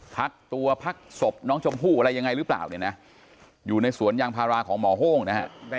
พักตัวพักศพน้องชมพู่อะไรยังไงหรือเปล่าเนี่ยนะอยู่ในสวนยางพาราของหมอโห้งนะฮะ